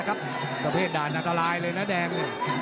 ระเบบดาถอดรายเลยนะแดง